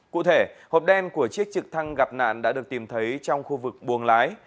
cụ thể hộp đen của chiếc trực thăng gặp nạn đã được tìm thấy trong khu vực buồng lái